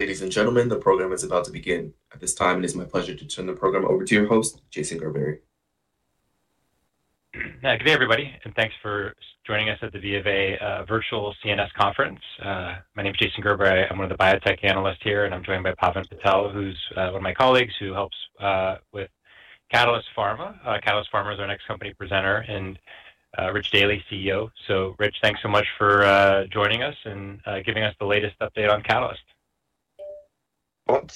Ladies and gentlemen, the program is about to begin at this time, and it's my pleasure to turn the program over to your host, Jason Gerberry. Good day, everybody, and thanks for joining us at the BofA Virtual CNS Conference. My name is Jason Gerberry. I'm one of the biotech analysts here, and I'm joined by Pavan Patel, who's one of my colleagues who helps with Catalyst Pharma. Catalyst Pharma is our next company presenter, and Rich Daly, CEO. Rich, thanks so much for joining us and giving us the latest update on Catalyst.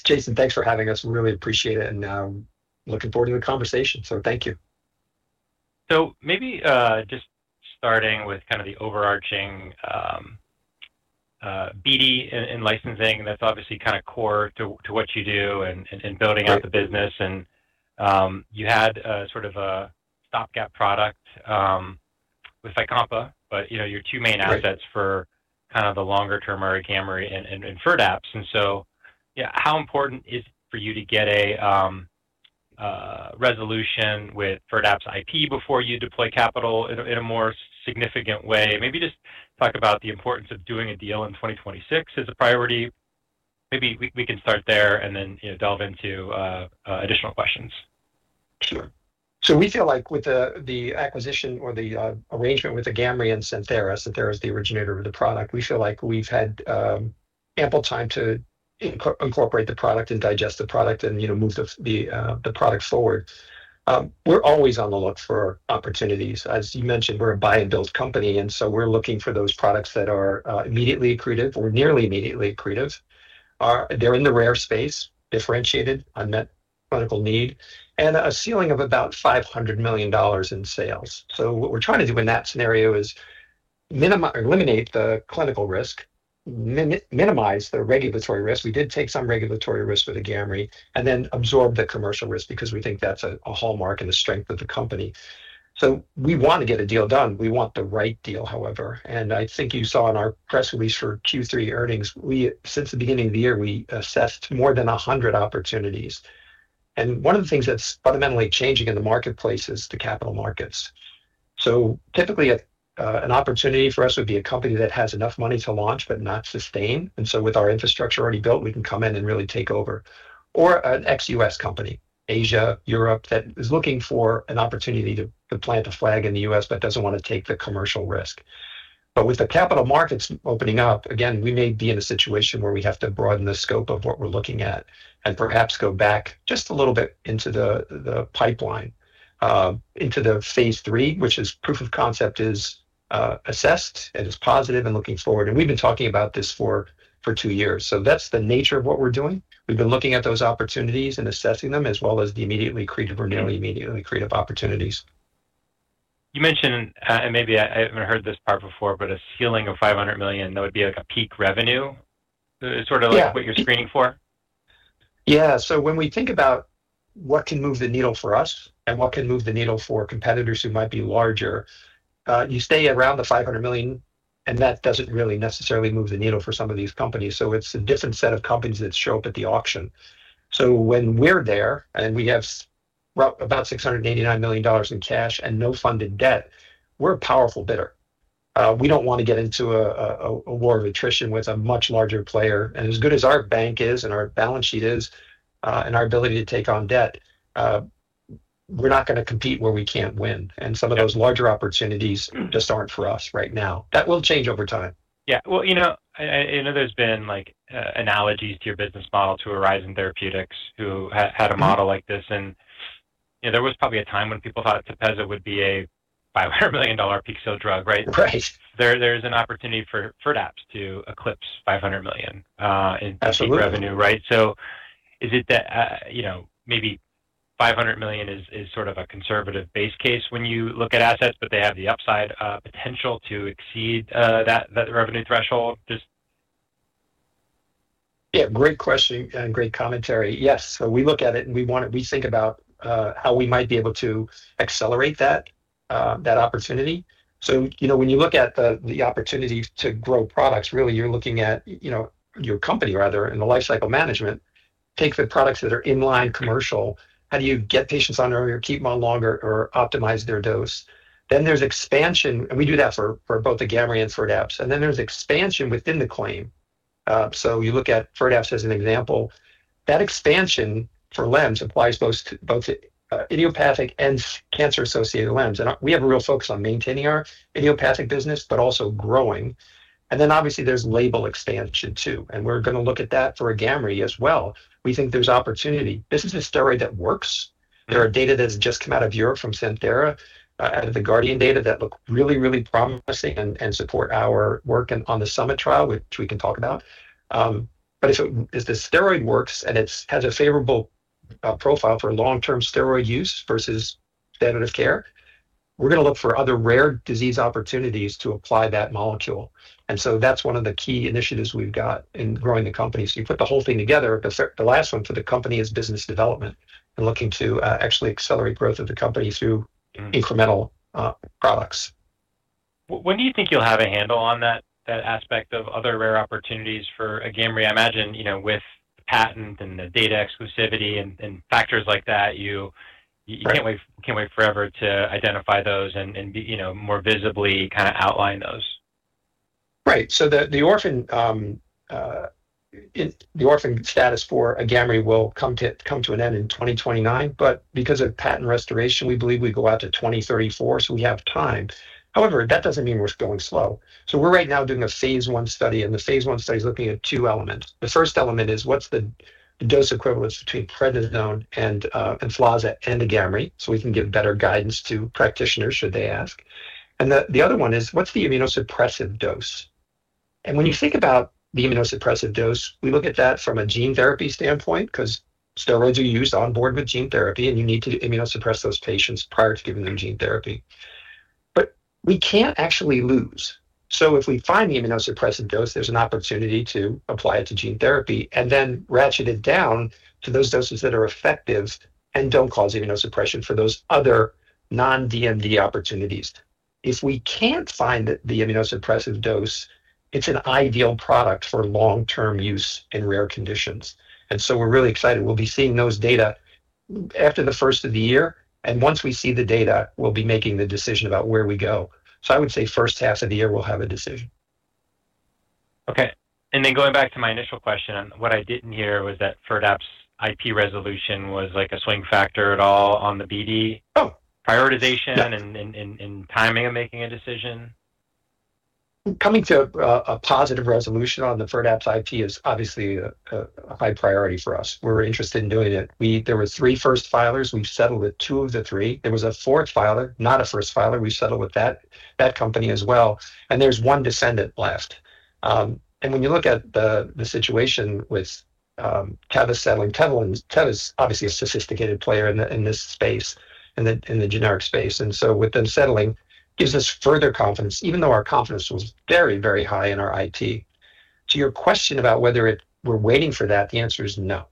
Jason, thanks for having us. We really appreciate it, and looking forward to the conversation. Thank you. So maybe just starting with kind of the overarching BD and licensing, that's obviously kind of core to what you do and building out the business. And you had sort of a stopgap product with Fycompa, but your two main assets for kind of the longer-term Agamree and Firdapse. And so, yeah, how important is it for you to get a resolution with Firdapse's IP before you deploy capital in a more significant way? Maybe just talk about the importance of doing a deal in 2026 as a priority. Maybe we can start there and then delve into additional questions. Sure, so we feel like with the acquisition or the arrangement with Agamree and Santhera, Santhera is the originator of the product. We feel like we've had ample time to incorporate the product and digest the product and move the product forward. We're always on the look for opportunities. As you mentioned, we're buying those company, and so we're looking for those products that are immediately accretive or nearly immediately accretive. They're in the rare space, differentiated, unmet clinical need, and a ceiling of about $500 million in sales, so what we're trying to do in that scenario is eliminate the clinical risk, minimize the regulatory risk. We did take some regulatory risk with Agamree, and then absorb the commercial risk because we think that's a hallmark and the strength of the company, so we want to get a deal done. We want the right deal, however. I think you saw in our press release for Q3 earnings, since the beginning of the year, we assessed more than 100 opportunities. One of the things that's fundamentally changing in the marketplace is the capital markets. Typically, an opportunity for us would be a company that has enough money to launch but not sustain. With our infrastructure already built, we can come in and really take over. An ex-U.S. company, Asia, Europe, that is looking for an opportunity to plant a flag in the U.S. but doesn't want to take the commercial risk. But with the capital markets opening up, again, we may be in a situation where we have to broaden the scope of what we're looking at and perhaps go back just a little bit into the pipeline, into the Phase III, which is proof of concept is assessed and is positive and looking forward, and we've been talking about this for two years, so that's the nature of what we're doing. We've been looking at those opportunities and assessing them as well as the immediately accretive or nearly immediately accretive opportunities. You mentioned, and maybe I haven't heard this part before, but a ceiling of $500 million, that would be like a peak revenue. Is that sort of like what you're screening for? Yeah, so when we think about what can move the needle for us and what can move the needle for competitors who might be larger, you stay around the $500 million, and that doesn't really necessarily move the needle for some of these companies, so it's a different set of companies that show up at the auction, so when we're there and we have about $689 million in cash and no funded debt, we're a powerful bidder. We don't want to get into a war of attrition with a much larger player, and as good as our bank is and our balance sheet is and our ability to take on debt, we're not going to compete where we can't win, and some of those larger opportunities just aren't for us right now. That will change over time. Yeah, well, I know there's been analogies to your business model to Horizon Therapeutics who had a model like this, and there was probably a time when people thought Tepezza would be a $500 million peak sale drug, right? Right. There is an opportunity for Firdapse to eclipse $500 million in revenue, right? Absolutely. So is it that maybe $500 million is sort of a conservative base case when you look at assets, but they have the upside potential to exceed that revenue threshold? Yeah. Great question and great commentary. Yes, so we look at it and we think about how we might be able to accelerate that opportunity. So when you look at the opportunity to grow products, really, you're looking at your company, rather, and the lifecycle management. Take the products that are inline commercial. How do you get patients on earlier, keep them on longer, or optimize their dose? Then there's expansion, and we do that for both the Agamree and Firdapse. And then there's expansion within the label. So you look at Firdapse as an example. That expansion for LEMS applies both to idiopathic and cancer-associated LEMS. And we have a real focus on maintaining our idiopathic business, but also growing. And then obviously, there's label expansion too. And we're going to look at that for Agamree as well. We think there's opportunity. This is a steroid that works. There are data that have just come out of Europe from Santhera, out of the that look really, really promising and support our work on the SUMMIT trial, which we can talk about. But if the steroid works and it has a favorable profile for long-term steroid use versus standard of care, we're going to look for other rare disease opportunities to apply that molecule. And so that's one of the key initiatives we've got in growing the company. So you put the whole thing together, the last one for the company is business development and looking to actually accelerate growth of the company through incremental products. When do you think you'll have a handle on that aspect of other rare opportunities for Agamree? I imagine with patent and the data exclusivity and factors like that, you can't wait forever to identify those and more visibly kind of outline those. Right. So the orphan status for Agamree will come to an end in 2029. But because of patent restoration, we believe we go out to 2034. So we have time. However, that doesn't mean we're going slow. So we're right now doing a Phase I study, and the Phase I study is looking at two elements. The first element is what's the dose equivalence between prednisone and Emflaza and Agamree so we can give better guidance to practitioners should they ask. And the other one is what's the immunosuppressive dose? And when you think about the immunosuppressive dose, we look at that from a gene therapy standpoint because steroids are used on board with gene therapy, and you need to immunosuppress those patients prior to giving them gene therapy. But we can't actually lose. So, if we find the immunosuppressive dose, there's an opportunity to apply it to gene therapy and then ratchet it down to those doses that are effective and don't cause immunosuppression for those other non-DMD opportunities. If we can't find the immunosuppressive dose, it's an ideal product for long-term use in rare conditions. And so we're really excited. We'll be seeing those data after the first of the year. And once we see the data, we'll be making the decision about where we go. So I would say first half of the year, we'll have a decision. Okay. And then going back to my initial question, what I didn't hear was that Firdapse's IP resolution was like a swing factor at all on the BD prioritization and timing of making a decision? Coming to a positive resolution on the Firdapse's IP is obviously a high priority for us. We're interested in doing it. There were three first filers. We've settled with two of the three. There was a fourth filer, not a first filer. We've settled with that company as well. And there's one defendant left. And when you look at the situation with Teva settling, Teva is obviously a sophisticated player in this space, in the generic space. And so with them settling, it gives us further confidence, even though our confidence was very, very high in our IP. To your question about whether we're waiting for that, the answer is no.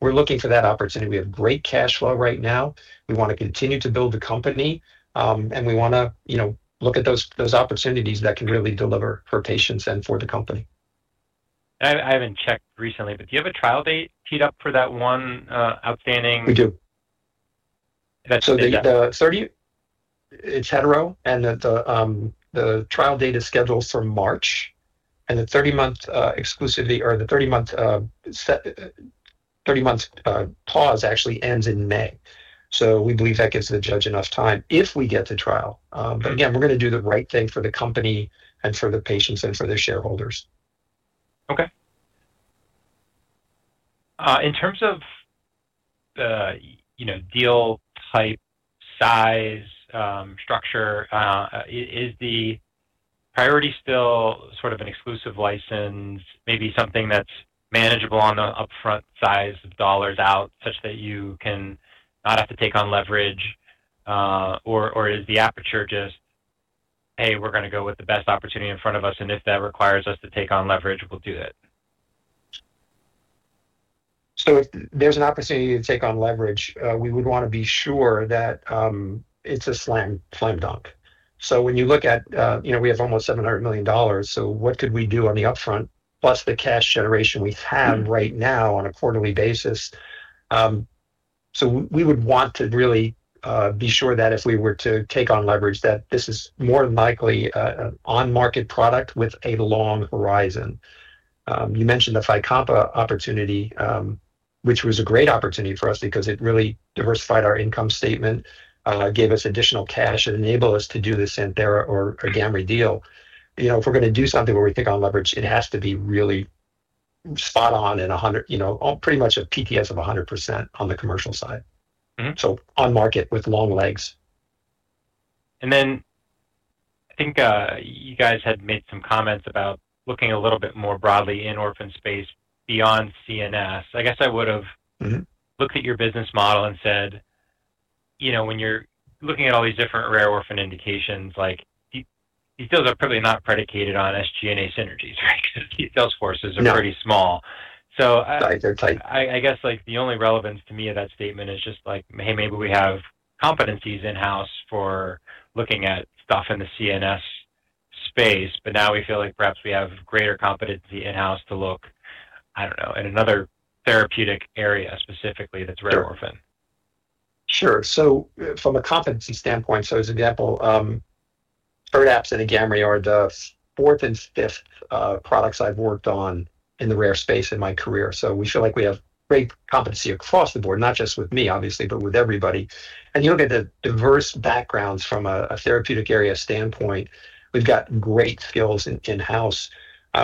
We're looking for that opportunity. We have great cash flow right now. We want to continue to build the company, and we want to look at those opportunities that can really deliver for patients and for the company. I haven't checked recently, but do you have a trial date teed up for that one outstanding? We do. So the 30-month stay, and the trial date is scheduled for March. And the 30-month exclusivity or the 30-month pause actually ends in May. So we believe that gives the judge enough time if we get the trial. But again, we're going to do the right thing for the company and for the patients and for the shareholders. Okay. In terms of deal type, size, structure, is the priority still sort of an exclusive license, maybe something that's manageable on the upfront size of dollars out such that you can not have to take on leverage, or is the aperture just, "Hey, we're going to go with the best opportunity in front of us, and if that requires us to take on leverage, we'll do it"? So if there's an opportunity to take on leverage, we would want to be sure that it's a slam dunk. So when you look at we have almost $700 million. So what could we do on the upfront, plus the cash generation we have right now on a quarterly basis? So we would want to really be sure that if we were to take on leverage, that this is more than likely an on-market product with a long horizon. You mentioned the Fycompa opportunity, which was a great opportunity for us because it really diversified our income statement, gave us additional cash, and enabled us to do the Santhera or Agamree deal. If we're going to do something where we take on leverage, it has to be really spot on and pretty much a PTS of 100% on the commercial side. So on market with long legs. And then I think you guys had made some comments about looking a little bit more broadly in orphan space beyond CNS. I guess I would have looked at your business model and said, "When you're looking at all these different rare orphan indications, these deals are probably not predicated on SG&A synergies, right?" Because these sales forces are pretty small. Yeah. They're tight. So I guess the only relevance to me of that statement is just like, "Hey, maybe we have competencies in-house for looking at stuff in the CNS space, but now we feel like perhaps we have greater competency in-house to look, I don't know, in another therapeutic area specifically that's rare orphan. Sure. So from a competency standpoint, so as an example, Firdapse and Agamree are the fourth and fifth products I've worked on in the rare space in my career. So we feel like we have great competency across the board, not just with me, obviously, but with everybody, and you look at the diverse backgrounds from a therapeutic area standpoint, we've got great skills in-house.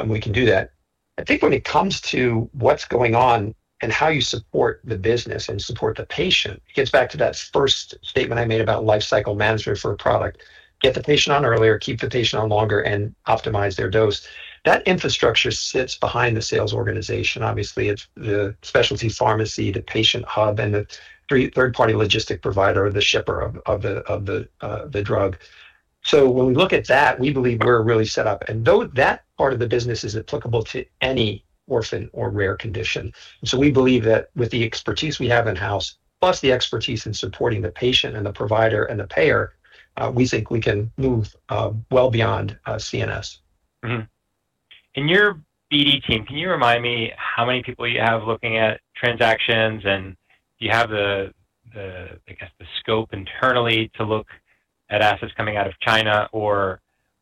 We can do that. I think when it comes to what's going on and how you support the business and support the patient, it gets back to that first statement I made about lifecycle management for a product. Get the patient on earlier, keep the patient on longer, and optimize their dose. That infrastructure sits behind the sales organization. Obviously, it's the specialty pharmacy, the patient hub, and the third-party logistics provider or the shipper of the drug. So when we look at that, we believe we're really set up. And that part of the business is applicable to any orphan or rare condition. So we believe that with the expertise we have in-house, plus the expertise in supporting the patient and the provider and the payer, we think we can move well beyond CNS. In your BD team, can you remind me how many people you have looking at transactions, and do you have the, I guess, the scope internally to look at assets coming out of China,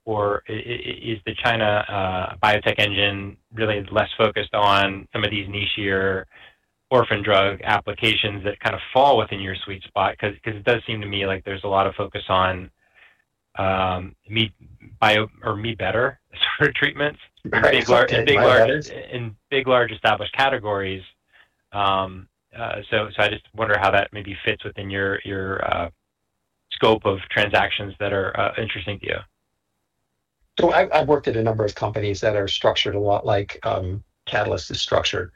or is the China biotech engine really less focused on some of these nichier orphan drug applications that kind of fall within your sweet spot? Because it does seem to me like there's a lot of focus on me-too sort of treatments in big large established categories, so I just wonder how that maybe fits within your scope of transactions that are interesting to you. I've worked at a number of companies that are structured a lot like Catalyst is structured.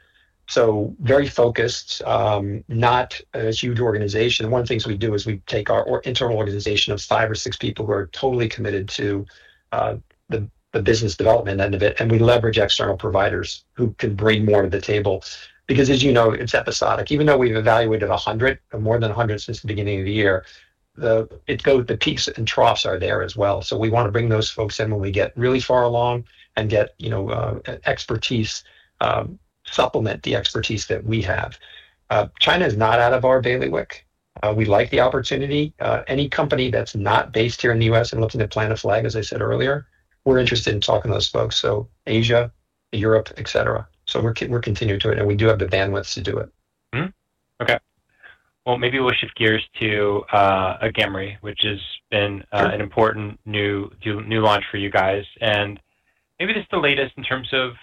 Very focused, not a huge organization. One of the things we do is we take our internal organization of five or six people who are totally committed to the business development end of it, and we leverage external providers who can bring more to the table. Because as you know, it's episodic. Even though we've evaluated more than 100 since the beginning of the year, the peaks and troughs are there as well. We want to bring those folks in when we get really far along and get expertise, supplement the expertise that we have. China is not out of our bailiwick. We like the opportunity. Any company that's not based here in the U.S. and looking to plant a flag, as I said earlier, we're interested in talking to those folks. So Asia, Europe, etc. So we're continuing to it, and we do have the bandwidth to do it. Okay. Well, maybe we'll shift gears to Agamree, which has been an important new launch for you guys. And maybe just the latest in terms of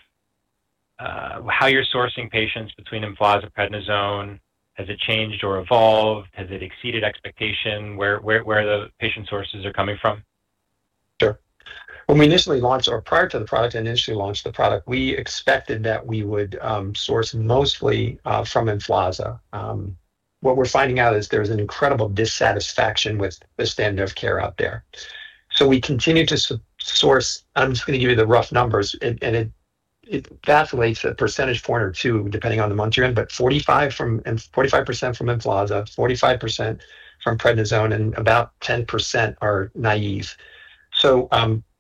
how you're sourcing patients between Emflaza and prednisone. Has it changed or evolved? Has it exceeded expectation? Where are the patient sources coming from? Sure. When we initially launched, or prior to the product, and initially launched the product, we expected that we would source mostly from Emflaza. What we're finding out is there's an incredible dissatisfaction with the standard of care out there. So we continue to source. I'm just going to give you the rough numbers, and it vacillates a percentage or two, depending on the month you're in, but 45% from Emflaza, 45% from prednisone, and about 10% are naive. So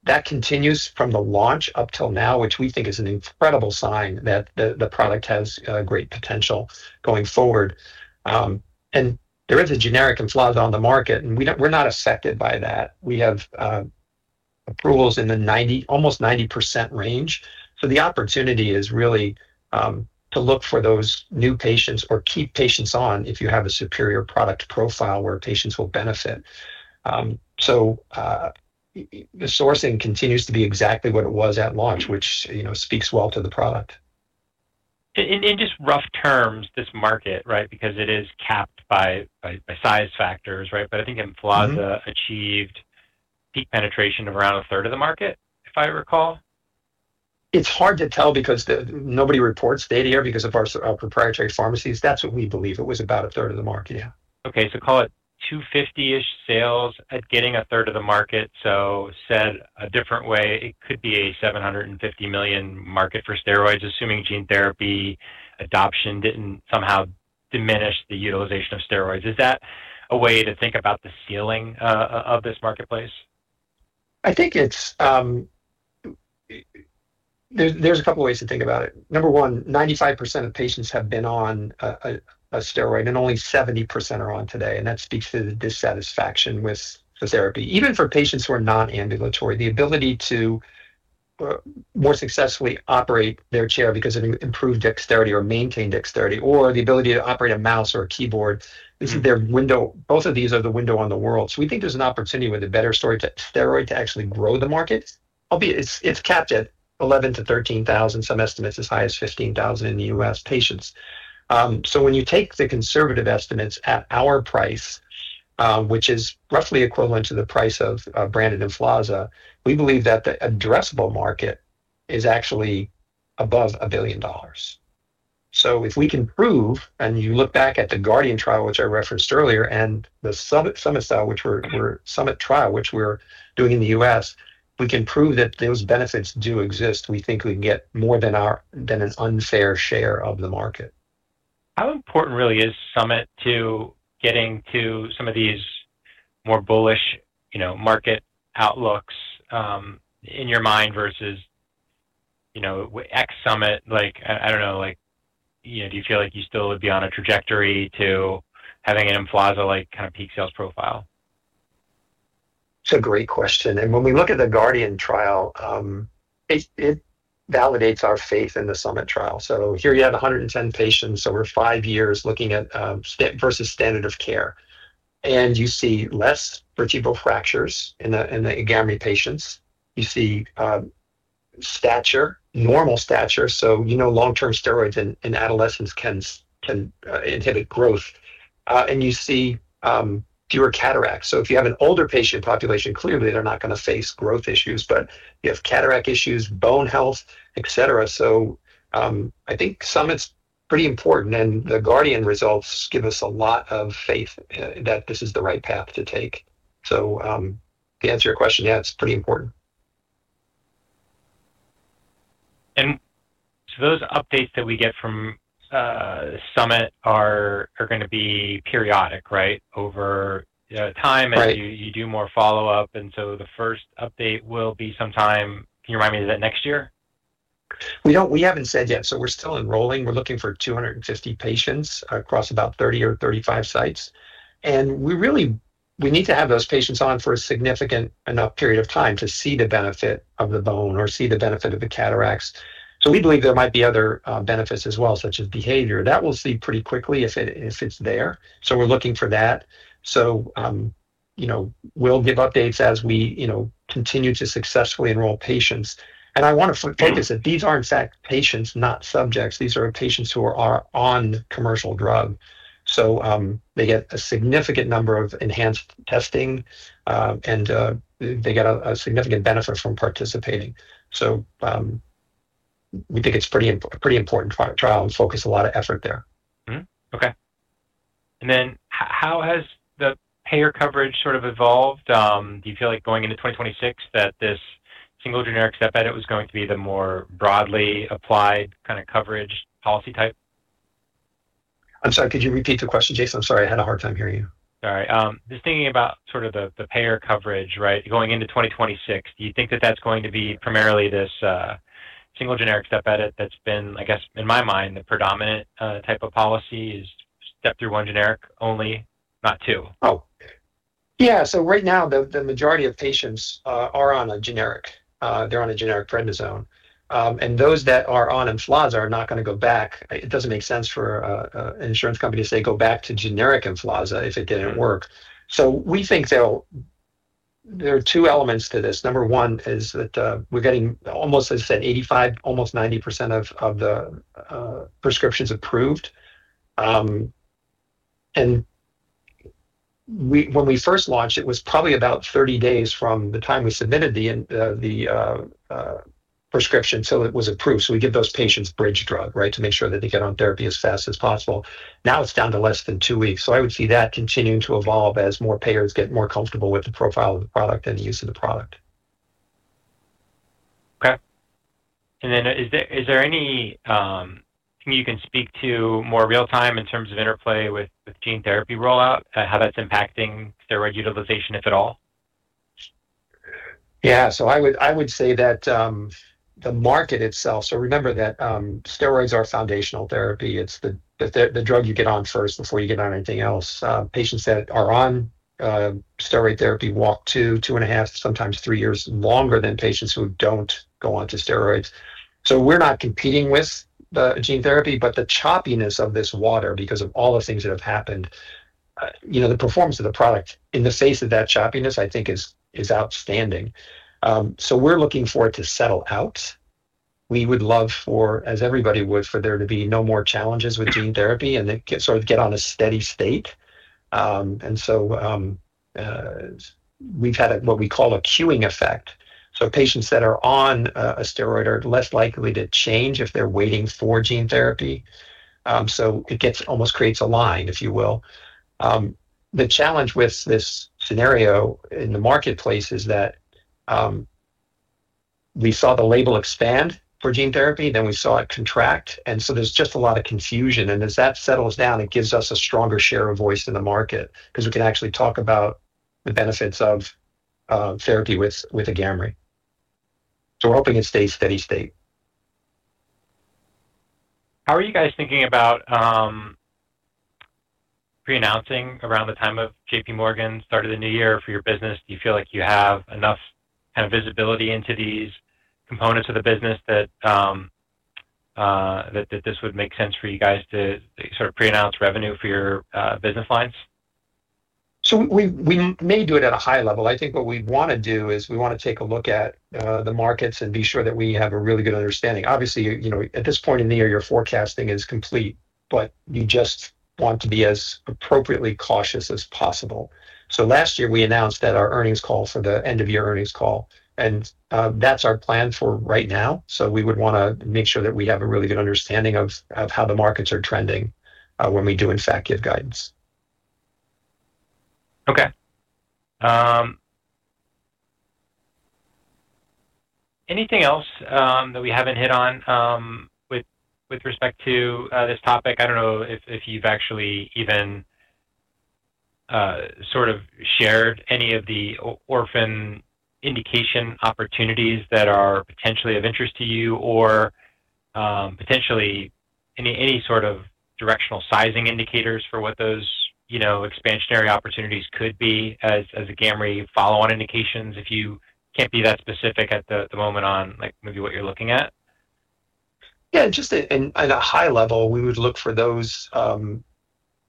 that continues from the launch up till now, which we think is an incredible sign that the product has great potential going forward. And there is a generic Emflaza on the market, and we're not affected by that. We have approvals in the almost 90% range. So the opportunity is really to look for those new patients or keep patients on if you have a superior product profile where patients will benefit. So the sourcing continues to be exactly what it was at launch, which speaks well to the product. In just rough terms, this market, right, because it is capped by size factors, right? But I think Emflaza achieved peak penetration of around a third of the market, if I recall. It's hard to tell because nobody reports data here because of our proprietary pharmacies. That's what we believe. It was about a third of the market, yeah. Okay. So call it $250-ish sales at getting a third of the market. So said a different way, it could be a $750 million market for steroids, assuming gene therapy adoption didn't somehow diminish the utilization of steroids. Is that a way to think about the ceiling of this marketplace? I think there's a couple of ways to think about it. Number one, 95% of patients have been on a steroid, and only 70% are on today. And that speaks to the dissatisfaction with the therapy. Even for patients who are not ambulatory, the ability to more successfully operate their chair because of improved dexterity or maintained dexterity, or the ability to operate a mouse or a keyboard, both of these are the window on the world. So we think there's an opportunity with a better steroid to actually grow the market, albeit it's capped at 11,000-13,000, some estimates as high as 15,000 in the U.S. patients. So when you take the conservative estimates at our price, which is roughly equivalent to the price of branded Emflaza, we believe that the addressable market is actually above $1 billion. So if we can prove, and you look back at the GUARDIAN trial, which I referenced earlier, and the SUMMIT trial, which we're doing in the U.S., we can prove that those benefits do exist, we think we can get more than our fair share of the market. How important really is SUMMIT to getting to some of these more bullish market outlooks in your mind versus ex-SUMMIT? I don't know. Do you feel like you still would be on a trajectory to having an Emflaza kind of peak sales profile? It's a great question. And when we look at the GUARDIAN trial, it validates our faith in the SUMMIT trial. So here you have 110 patients. So we're five years looking at versus standard of care. And you see less vertebral fractures in the Agamree patients. You see stature, normal stature. So you know long-term steroids in adolescents can inhibit growth. And you see fewer cataracts. So if you have an older patient population, clearly they're not going to face growth issues, but you have cataract issues, bone health, etc. So I think SUMMIT's pretty important, and the GUARDIAN results give us a lot of faith that this is the right path to take. So to answer your question, yeah, it's pretty important. And so those updates that we get from SUMMIT are going to be periodic, right, over time, and you do more follow-up. And so the first update will be sometime, can you remind me of that next year? We haven't said yet, so we're still enrolling. We're looking for 250 patients across about 30 or 35 sites, and we need to have those patients on for a significant enough period of time to see the benefit of the bone or see the benefit of the cataracts, so we believe there might be other benefits as well, such as behavior that we'll see pretty quickly if it's there, so we're looking for that, so we'll give updates as we continue to successfully enroll patients, and I want to focus that these are, in fact, patients, not subjects. These are patients who are on commercial drug, so they get a significant number of enhanced testing, and they get a significant benefit from participating, so we think it's a pretty important trial and focus a lot of effort there. Okay. And then how has the payer coverage sort of evolved? Do you feel like going into 2026 that this single generic step edit was going to be the more broadly applied kind of coverage policy type? I'm sorry. Could you repeat the question, Jason? I'm sorry. I had a hard time hearing you. Sorry. Just thinking about sort of the payer coverage, right, going into 2026, do you think that that's going to be primarily this single generic step edit that's been, I guess, in my mind, the predominant type of policy is step through one generic only, not two? Oh, yeah. So right now, the majority of patients are on a generic. They're on a generic prednisone. And those that are on Emflaza are not going to go back. It doesn't make sense for an insurance company to say, "Go back to generic Emflaza if it didn't work." So we think there are two elements to this. Number one is that we're getting, almost, as I said, 85%, almost 90% of the prescriptions approved. And when we first launched, it was probably about 30 days from the time we submitted the prescription until it was approved. So we give those patients bridge drug, right, to make sure that they get on therapy as fast as possible. Now it's down to less than two weeks. So I would see that continuing to evolve as more payers get more comfortable with the profile of the product and the use of the product. Okay. And then is there anything you can speak to more real-time in terms of interplay with gene therapy rollout, how that's impacting steroid utilization, if at all? Yeah, so I would say that the market itself, so remember that steroids are foundational therapy. It's the drug you get on first before you get on anything else. Patients that are on steroid therapy walk two, two and a half, sometimes three years longer than patients who don't go on to steroids. So we're not competing with gene therapy, but the choppiness of this water because of all the things that have happened, the performance of the product in the face of that choppiness, I think, is outstanding. So we're looking for it to settle out. We would love for, as everybody would, for there to be no more challenges with gene therapy and sort of get on a steady state, and so we've had what we call a queuing effect, so patients that are on a steroid are less likely to change if they're waiting for gene therapy. So it almost creates a line, if you will. The challenge with this scenario in the marketplace is that we saw the label expand for gene therapy, then we saw it contract. And so there's just a lot of confusion. And as that settles down, it gives us a stronger share of voice in the market because we can actually talk about the benefits of therapy with Agamree. So we're hoping it stays steady state. How are you guys thinking about pre-announcing around the time of J.P. Morgan, start of the new year for your business? Do you feel like you have enough kind of visibility into these components of the business that this would make sense for you guys to sort of pre-announce revenue for your business lines? So we may do it at a high level. I think what we want to do is we want to take a look at the markets and be sure that we have a really good understanding. Obviously, at this point in the year, your forecasting is complete, but you just want to be as appropriately cautious as possible. So last year, we announced that our earnings call for the end-of-year earnings call. And that's our plan for right now. So we would want to make sure that we have a really good understanding of how the markets are trending when we do, in fact, give guidance. Okay. Anything else that we haven't hit on with respect to this topic? I don't know if you've actually even sort of shared any of the orphan indication opportunities that are potentially of interest to you or potentially any sort of directional sizing indicators for what those expansionary opportunities could be as a Agamree follow-on indications if you can't be that specific at the moment on maybe what you're looking at. Yeah. Just at a high level, we would look for those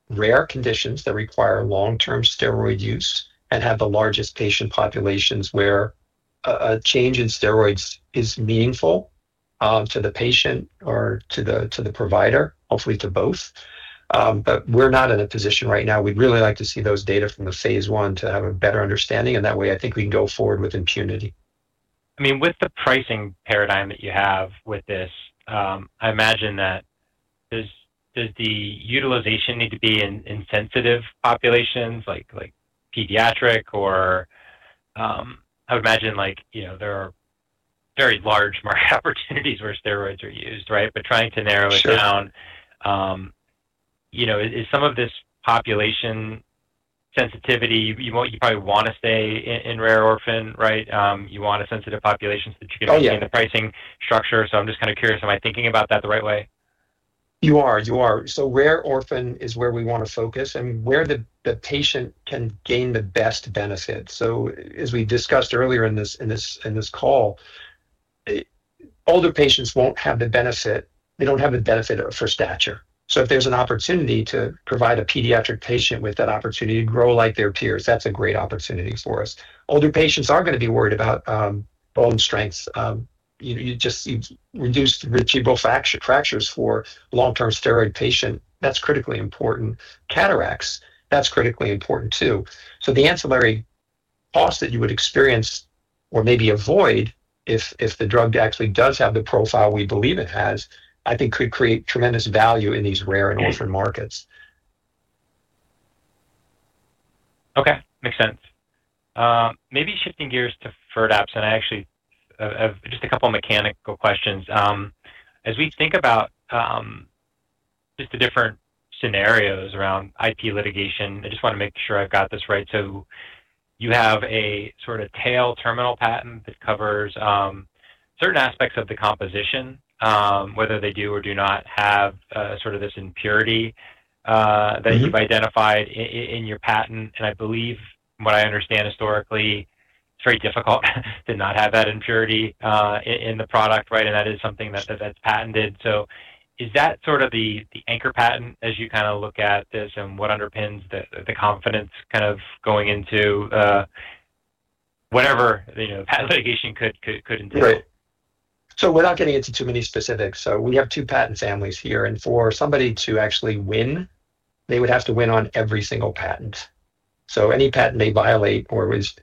rare conditions that require long-term steroid use and have the largest patient populations where a change in steroids is meaningful to the patient or to the provider, hopefully to both. But we're not in a position right now. We'd really like to see those data from the Phase I to have a better understanding. And that way, I think we can go forward with impunity. I mean, with the pricing paradigm that you have with this, I imagine that does the utilization need to be in sensitive populations like pediatric or I would imagine there are very large market opportunities where steroids are used, right? But trying to narrow it down, is some of this population sensitivity? You probably want to stay in rare orphan, right? You want a sensitive population so that you can maintain the pricing structure. So I'm just kind of curious. Am I thinking about that the right way? You are so rare orphan is where we want to focus and where the patient can gain the best benefit. So as we discussed earlier in this call, older patients won't have the benefit. They don't have the benefit for stature. So if there's an opportunity to provide a pediatric patient with that opportunity to grow like their peers, that's a great opportunity for us. Older patients are going to be worried about bone strength. You just reduced vertebral fractures for long-term steroid patients. That's critically important. Cataracts, that's critically important too. So the ancillary cost that you would experience or maybe avoid if the drug actually does have the profile we believe it has, I think could create tremendous value in these rare and orphan markets. Okay. Makes sense. Maybe shifting gears to Firdapse, and I actually have just a couple of mechanical questions. As we think about just the different scenarios around IP litigation, I just want to make sure I've got this right. So you have a sort of tail terminal patent that covers certain aspects of the composition, whether they do or do not have sort of this impurity that you've identified in your patent. And I believe, from what I understand historically, it's very difficult to not have that impurity in the product, right? And that is something that's patented. So is that sort of the anchor patent as you kind of look at this and what underpins the confidence kind of going into whatever patent litigation could entail? Right. So we're not getting into too many specifics. So we have two patent families here. And for somebody to actually win, they would have to win on every single patent. So any patent they violate or if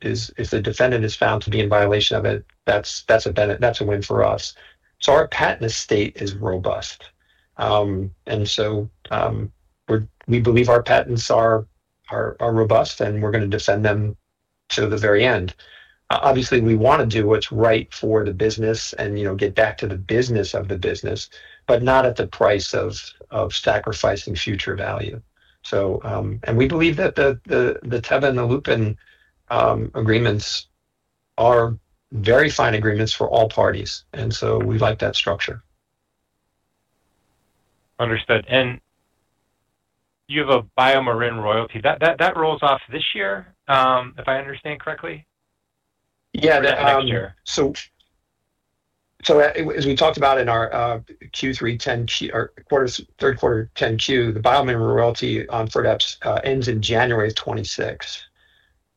the defendant is found to be in violation of it, that's a win for us. So our patent estate is robust. And so we believe our patents are robust, and we're going to defend them to the very end. Obviously, we want to do what's right for the business and get back to the business of the business, but not at the price of sacrificing future value. And we believe that the Teva and the Lupin agreements are very fine agreements for all parties. And so we like that structure. Understood, and you have a BioMarin royalty. That rolls off this year, if I understand correctly? Yeah. So as we talked about in our Q3 10-Q, third quarter 10-Q, the BioMarin royalty on Firdapse ends in January 2026.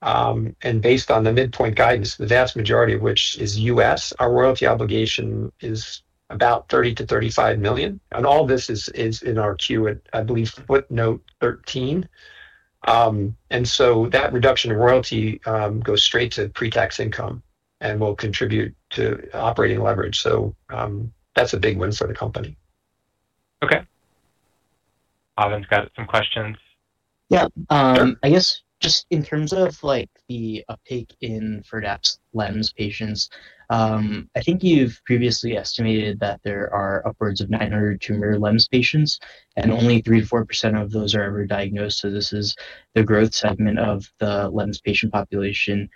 And based on the midpoint guidance, the vast majority of which is U.S., our royalty obligation is about $30 million-$35 million. And all of this is in our Q, I believe, footnote 13. And so that reduction in royalty goes straight to pre-tax income and will contribute to operating leverage. So that's a big win for the company. Okay. Pavan got some questions. Yeah. I guess just in terms of the uptake in Firdapse LEMS patients, I think you've previously estimated that there are upwards of 900 tumor LEMS patients, and only 3%-4% of those are ever diagnosed. So this is the growth segment of the LEMS patient population.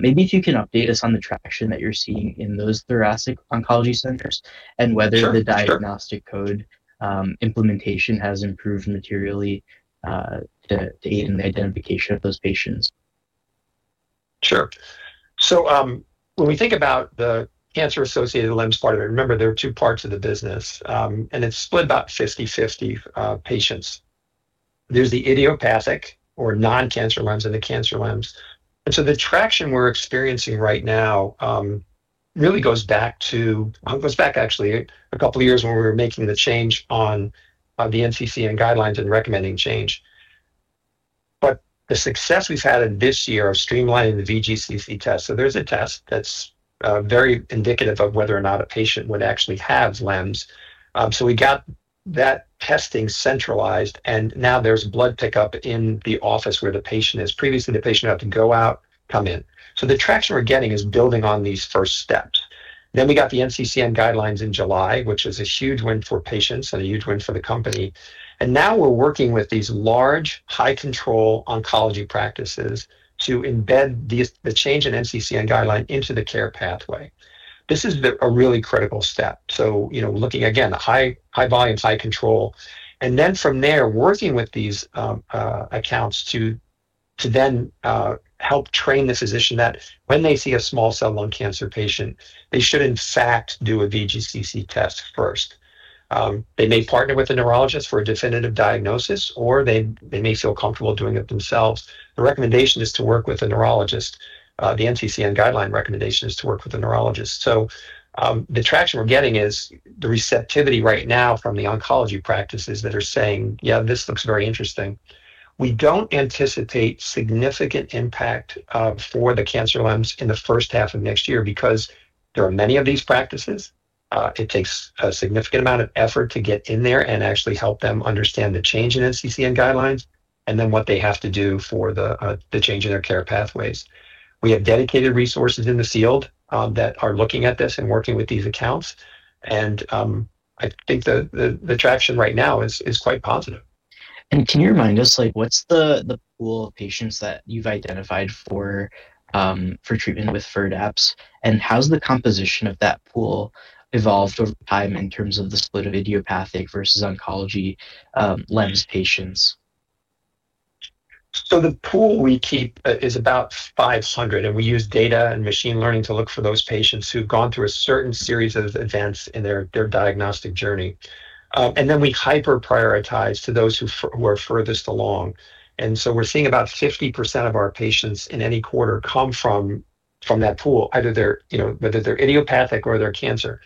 Maybe if you can update us on the traction that you're seeing in those thoracic oncology centers and whether the diagnostic code implementation has improved materially to aid in the identification of those patients? Sure, so when we think about the cancer-associated LEMS part of it, remember there are two parts of the business, and it's split about 50/50 patients, there's the idiopathic or non-cancer LEMS and the cancer LEMS, and so the traction we're experiencing right now really goes back to, goes back actually a couple of years when we were making the change on the NCCN guidelines and recommending change, but the success we've had in this year of streamlining the VGCC test, so there's a test that's very indicative of whether or not a patient would actually have LEMS, so we got that testing centralized, and now there's blood pickup in the office where the patient is. Previously, the patient had to go out, come in, so the traction we're getting is building on these first steps. Then we got the NCCN guidelines in July, which is a huge win for patients and a huge win for the company. And now we're working with these large, high-control oncology practices to embed the change in NCCN guideline into the care pathway. This is a really critical step. So looking again, high volumes, high control. And then from there, working with these accounts to then help train the physician that when they see a small cell lung cancer patient, they should, in fact, do a VGCC test first. They may partner with a neurologist for a definitive diagnosis, or they may feel comfortable doing it themselves. The recommendation is to work with a neurologist. The NCCN guideline recommendation is to work with a neurologist. So the traction we're getting is the receptivity right now from the oncology practices that are saying, "Yeah, this looks very interesting." We don't anticipate significant impact for the cancer LEMS in the first half of next year because there are many of these practices. It takes a significant amount of effort to get in there and actually help them understand the change in NCCN guidelines and then what they have to do for the change in their care pathways. We have dedicated resources in the field that are looking at this and working with these accounts. And I think the traction right now is quite positive. And can you remind us what's the pool of patients that you've identified for treatment with Firdapse? And how has the composition of that pool evolved over time in terms of the split of idiopathic versus oncology LEMS patients? So the pool we keep is about 500, and we use data and machine learning to look for those patients who've gone through a certain series of events in their diagnostic journey. And then we hyper-prioritize to those who are furthest along. And so we're seeing about 50% of our patients in any quarter come from that pool, either they're idiopathic or they're cancer.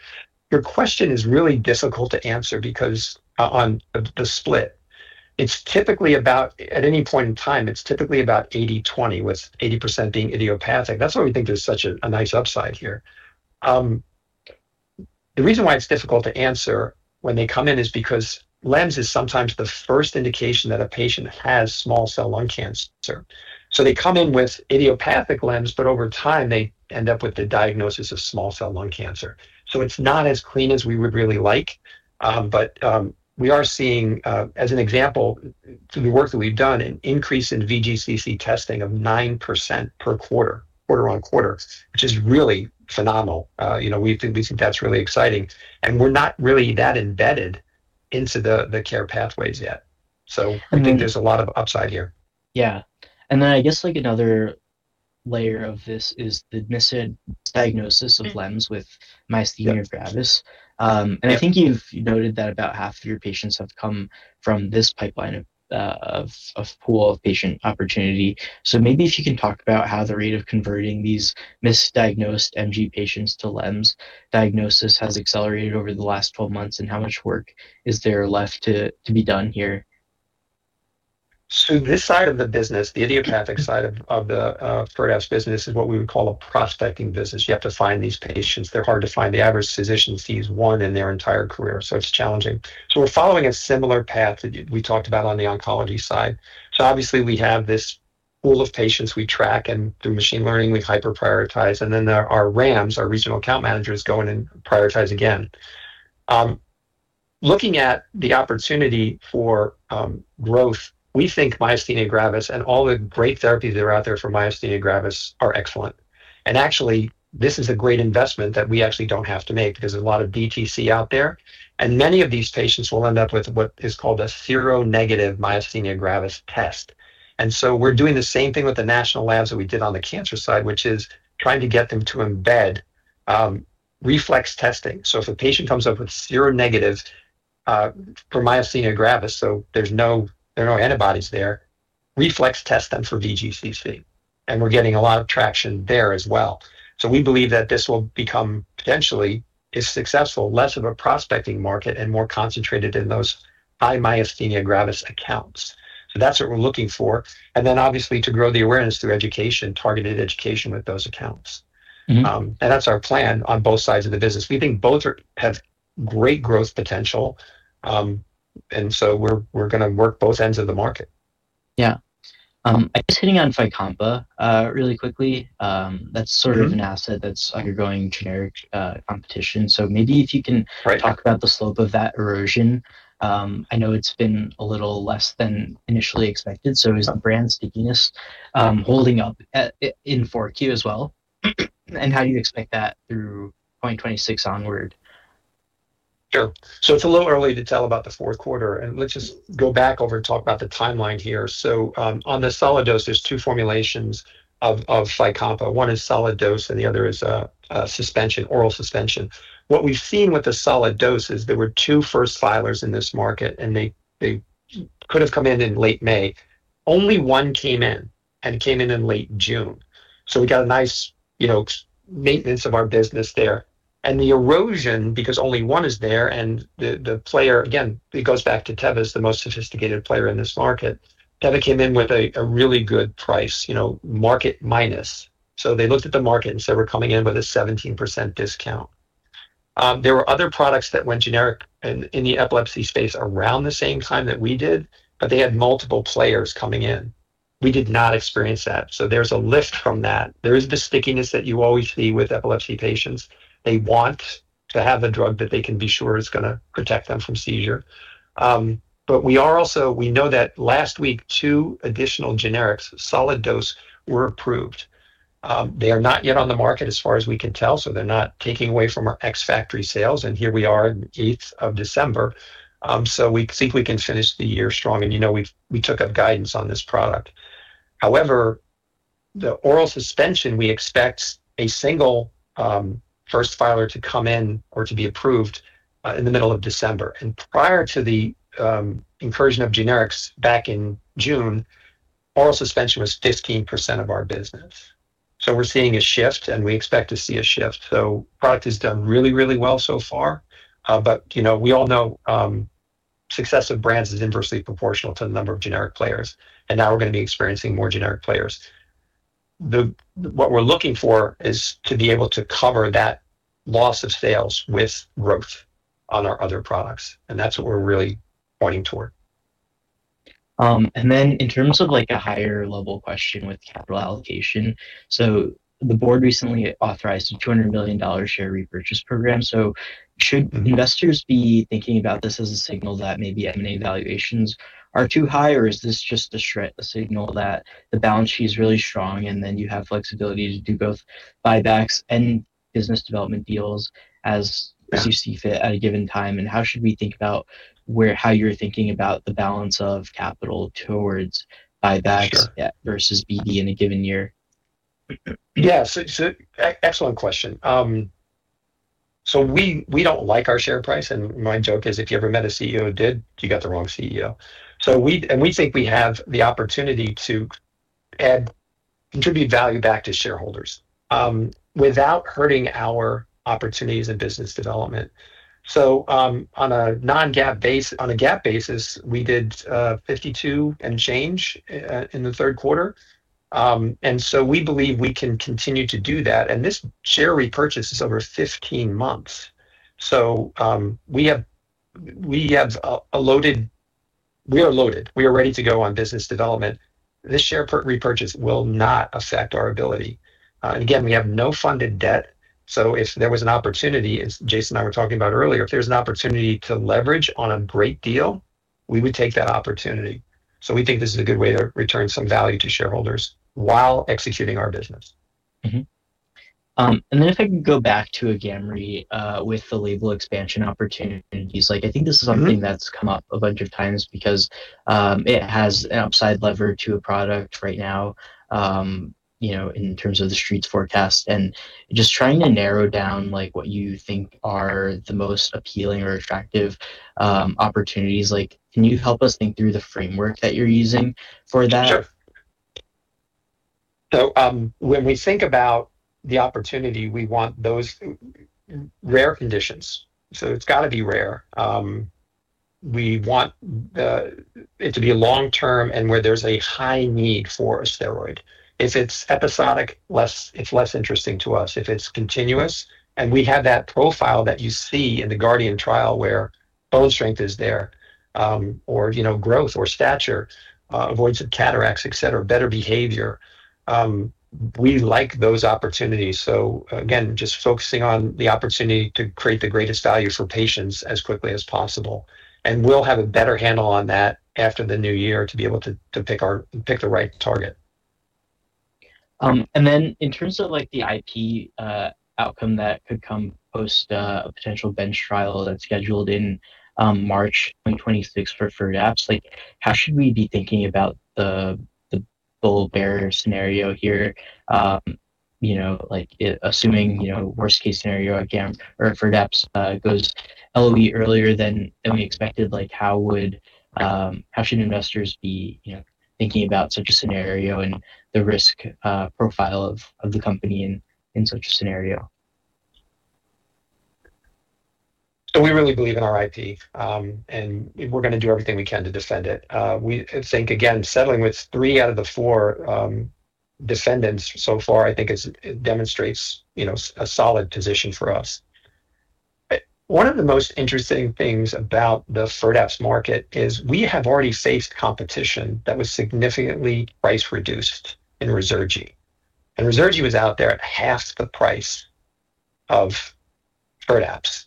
Your question is really difficult to answer because on the split, it's typically about, at any point in time, it's typically about 80/20, with 80% being idiopathic. That's why we think there's such a nice upside here. The reason why it's difficult to answer when they come in is because LEMS is sometimes the first indication that a patient has small cell lung cancer. So they come in with idiopathic LEMS, but over time, they end up with the diagnosis of small cell lung cancer. So it's not as clean as we would really like. But we are seeing, as an example, through the work that we've done, an increase in VGCC testing of 9% per quarter, quarter on quarter, which is really phenomenal. We think that's really exciting. And we're not really that embedded into the care pathways yet. So I think there's a lot of upside here. Yeah. And then I guess another layer of this is the missed diagnosis of LEMS with myasthenia gravis. And I think you've noted that about half of your patients have come from this pipeline of pool of patient opportunity. So maybe if you can talk about how the rate of converting these misdiagnosed MG patients to LEMS diagnosis has accelerated over the last 12 months and how much work is there left to be done here? So this side of the business, the idiopathic side of the Firdapse business, is what we would call a prospecting business. You have to find these patients. They're hard to find. The average physician sees one in their entire career. So it's challenging. So we're following a similar path that we talked about on the oncology side. So obviously, we have this pool of patients we track, and through machine learning, we hyper-prioritize. And then our RAMs, our regional account managers, go in and prioritize again. Looking at the opportunity for growth, we think myasthenia gravis and all the great therapies that are out there for myasthenia gravis are excellent. And actually, this is a great investment that we actually don't have to make because there's a lot of DTC out there. And many of these patients will end up with what is called a seronegative myasthenia gravis test. And so we're doing the same thing with the national labs that we did on the cancer side, which is trying to get them to embed reflex testing. So if a patient comes up with seronegative for myasthenia gravis, so there's no antibodies there, reflex test them for VGCC. And we're getting a lot of traction there as well. So we believe that this will become potentially, if successful, less of a prospecting market and more concentrated in those high myasthenia gravis accounts. So that's what we're looking for. And then obviously, to grow the awareness through education, targeted education with those accounts. And that's our plan on both sides of the business. We think both have great growth potential. And so we're going to work both ends of the market. Yeah. I guess hitting on Fycompa really quickly, that's sort of an asset that's undergoing generic competition. So maybe if you can talk about the slope of that erosion. I know it's been a little less than initially expected. So is brand stickiness holding up in 4Q as well? And how do you expect that through 2026 onward? Sure. So it's a little early to tell about the fourth quarter, and let's just go back over and talk about the timeline here, so on the solid dose, there's two formulations of Fycompa. One is solid dose, and the other is suspension, oral suspension. What we've seen with the solid dose is there were two first filers in this market, and they could have come in in late May. Only one came in and came in in late June, so we got a nice maintenance of our business there, and the erosion, because only one is there, and the player, again, it goes back to Teva, is the most sophisticated player in this market. Teva came in with a really good price, market minus, so they looked at the market and said we're coming in with a 17% discount. There were other products that went generic in the epilepsy space around the same time that we did, but they had multiple players coming in. We did not experience that. So there's a lift from that. There is the stickiness that you always see with epilepsy patients. They want to have a drug that they can be sure is going to protect them from seizure. But we know that last week, two additional generics, solid dose, were approved. They are not yet on the market as far as we can tell. So they're not taking away from our Fycompa sales. And here we are in the 8th of December. So we think we can finish the year strong. And we took up guidance on this product. However, the oral suspension, we expect a single first filer to come in or to be approved in the middle of December. And prior to the incursion of generics back in June, oral suspension was 15% of our business. So we're seeing a shift, and we expect to see a shift. So product has done really, really well so far. But we all know success of brands is inversely proportional to the number of generic players. And now we're going to be experiencing more generic players. What we're looking for is to be able to cover that loss of sales with growth on our other products. And that's what we're really pointing toward. And then in terms of a higher-level question with capital allocation, so the board recently authorized a $200 million share repurchase program. So should investors be thinking about this as a signal that maybe M&A valuations are too high, or is this just a signal that the balance sheet is really strong and then you have flexibility to do both buybacks and business development deals as you see fit at a given time? And how should we think about how you're thinking about the balance of capital towards buybacks versus BD in a given year? Yeah. So excellent question. So we don't like our share price. And my joke is, if you ever met a CEO who did, you got the wrong CEO. And we think we have the opportunity to contribute value back to shareholders without hurting our opportunities and business development. So on a non-GAAP basis, we did $52 million and change in the third quarter. And so we believe we can continue to do that. And this share repurchase is over 15 months. So we are loaded. We are ready to go on business development. This share repurchase will not affect our ability. And again, we have no funded debt. So if there was an opportunity, as Jason and I were talking about earlier, if there's an opportunity to leverage on a great deal, we would take that opportunity. We think this is a good way to return some value to shareholders while executing our business. Then if I can go back to Agamree with the label expansion opportunities, I think this is something that's come up a bunch of times because it has an upside lever to a product right now in terms of the Street's forecast. Just trying to narrow down what you think are the most appealing or attractive opportunities, can you help us think through the framework that you're using for that? Sure. So when we think about the opportunity, we want those rare conditions. So it's got to be rare. We want it to be long-term and where there's a high need for a steroid. If it's episodic, it's less interesting to us. If it's continuous, and we have that profile that you see in the GUARDIAN trial where bone strength is there or growth or stature, avoidance of cataracts, etc., better behavior, we like those opportunities. So again, just focusing on the opportunity to create the greatest value for patients as quickly as possible. And we'll have a better handle on that after the new year to be able to pick the right target. Then in terms of the IP outcome that could come post a potential bench trial that's scheduled in March 2026 for Firdapse, how should we be thinking about the bull bear scenario here? Assuming worst-case scenario, again, or if Firdapse goes LOE earlier than we expected, how should investors be thinking about such a scenario and the risk profile of the company in such a scenario? So we really believe in our IP, and we're going to do everything we can to defend it. I think, again, settling with three out of the four defendants so far, I think, demonstrates a solid position for us. One of the most interesting things about the Firdapse market is we have already faced competition that was significantly price reduced in Ruzurgi. And Ruzurgi was out there at half the price of Firdapse.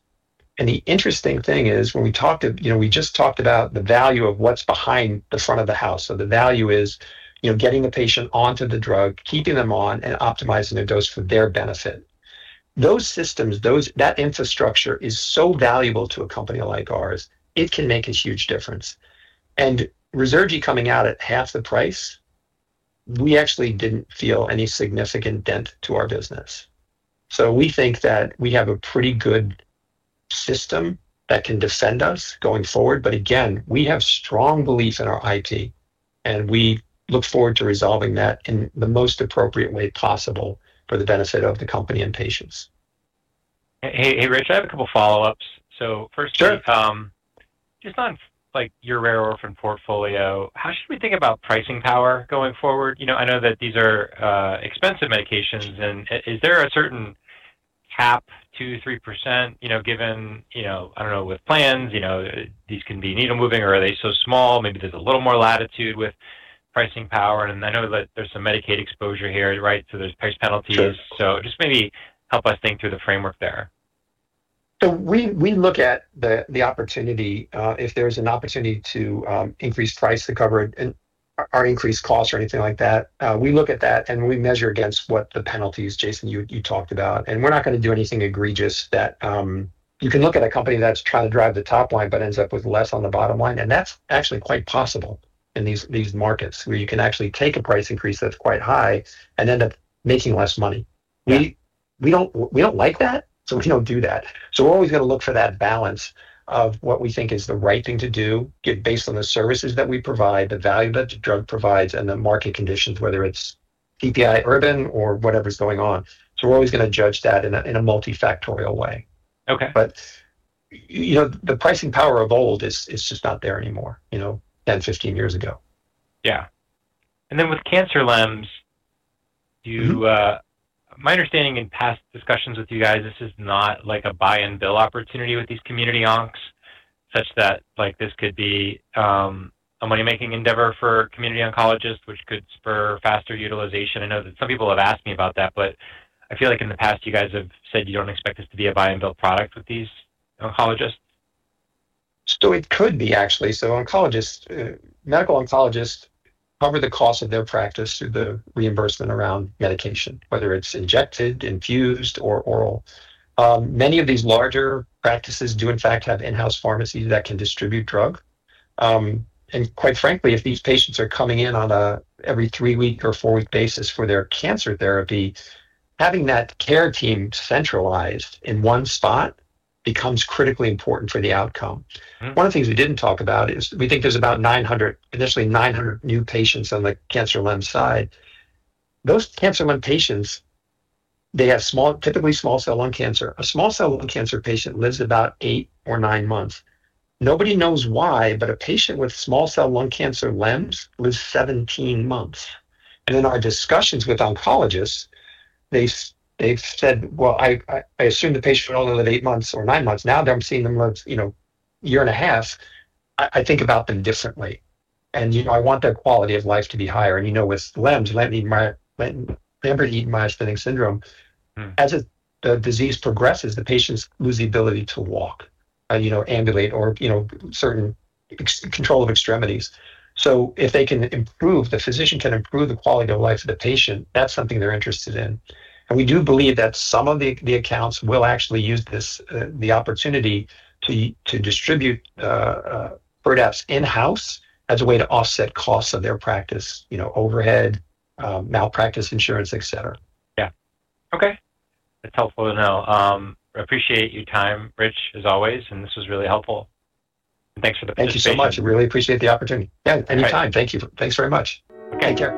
And the interesting thing is when we talked to, we just talked about the value of what's behind the front of the house. So the value is getting the patient onto the drug, keeping them on, and optimizing their dose for their benefit. Those systems, that infrastructure is so valuable to a company like ours. It can make a huge difference. Ruzurgi coming out at half the price, we actually didn't feel any significant dent to our business. We think that we have a pretty good system that can defend us going forward. Again, we have strong belief in our IP, and we look forward to resolving that in the most appropriate way possible for the benefit of the company and patients. Hey, Rich, I have a couple of follow-ups. So first, just on your rare orphan portfolio, how should we think about pricing power going forward? I know that these are expensive medications. And is there a certain cap, 2%, 3%, given, I don't know, with plans? These can be needle-moving, or are they so small? Maybe there's a little more latitude with pricing power. And I know that there's some Medicaid exposure here, right? So there's price penalties. So just maybe help us think through the framework there. So we look at the opportunity. If there's an opportunity to increase price to cover our increased costs or anything like that, we look at that, and we measure against what the penalties, Jason, you talked about. And we're not going to do anything egregious that you can look at a company that's trying to drive the top line but ends up with less on the bottom line. And that's actually quite possible in these markets where you can actually take a price increase that's quite high and end up making less money. We don't like that, so we don't do that. So we're always going to look for that balance of what we think is the right thing to do based on the services that we provide, the value that the drug provides, and the market conditions, whether it's CPI-Urban, or whatever's going on. So we're always going to judge that in a multifactorial way. But the pricing power of old is just not there anymore, 10, 15 years ago. Yeah, and then with cancer LEMS, my understanding in past discussions with you guys is that this is not like a buy-and-bill opportunity with these community oncs, such that this could be a money-making endeavor for community oncologists, which could spur faster utilization. I know that some people have asked me about that, but I feel like in the past, you guys have said you don't expect this to be a buy-and-bill product with these oncologists. So it could be, actually. So medical oncologists cover the cost of their practice through the reimbursement around medication, whether it's injected, infused, or oral. Many of these larger practices do, in fact, have in-house pharmacies that can distribute drug. And quite frankly, if these patients are coming in on an every three-week or four-week basis for their cancer therapy, having that care team centralized in one spot becomes critically important for the outcome. One of the things we didn't talk about is we think there's about 900, initially 900 new patients on the cancer LEMS side. Those cancer LEMS patients, they have typically small cell lung cancer. A small cell lung cancer patient lives about eight or nine months. Nobody knows why, but a patient with small cell lung cancer LEMS lives 17 months. In our discussions with oncologists, they've said, "Well, I assume the patient would only live eight months or nine months. Now that I'm seeing them live a year and a half, I think about them differently. And I want their quality of life to be higher." With LEMS, Lambert-Eaton myasthenic syndrome, as the disease progresses, the patients lose the ability to walk, ambulate, or certain control of extremities. So if they can improve, the physician can improve the quality of life of the patient, that's something they're interested in. We do believe that some of the accounts will actually use the opportunity to distribute Firdapse in-house as a way to offset costs of their practice, overhead, malpractice insurance, etc. Yeah. Okay. That's helpful to know. Appreciate your time, Rich, as always. And this was really helpful. And thanks for the pitch today. Thank you so much. I really appreciate the opportunity. Yeah, anytime. Thanks very much. Okay. Take care.